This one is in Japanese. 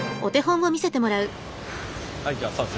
はいじゃあ早速。